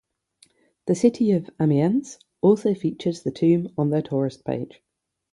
The city of Amiens also features the tomb on their tourist page.